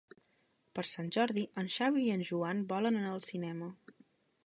Per Sant Jordi en Xavi i en Joan volen anar al cinema.